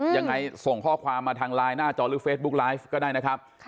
ยังไงส่งข้อความมาทางไลน์หน้าจอหรือเฟซบุ๊กไลฟ์ก็ได้นะครับ